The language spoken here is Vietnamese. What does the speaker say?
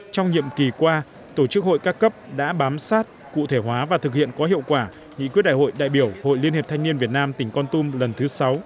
trong nhiệm kỳ qua tổ chức hội các cấp đã bám sát cụ thể hóa và thực hiện có hiệu quả nghị quyết đại hội đại biểu hội liên hiệp thanh niên việt nam tỉnh con tum lần thứ sáu